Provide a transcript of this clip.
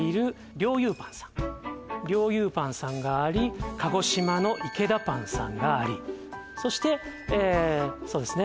リョーユーパンさんがあり鹿児島のイケダパンさんがありそしてそうですね